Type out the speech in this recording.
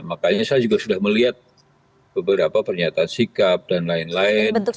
makanya saya juga sudah melihat beberapa pernyataan sikap dan lain lain